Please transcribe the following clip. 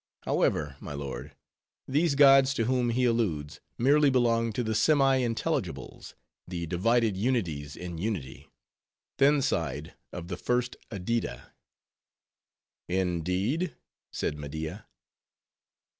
However, my lord, these gods to whom he alludes, merely belong to the semi intelligibles, the divided unities in unity, thin side of the First Adyta." "Indeed?" said Media.